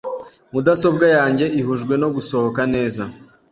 Mudasobwa yanjye ihujwe no gusohoka neza.